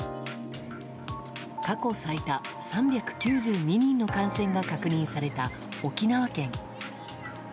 過去最多、３９２人の感染が確認された沖縄県。